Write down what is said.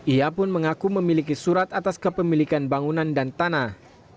ia pun mengaku memiliki surat atas kepemilikan bangunan dan tanah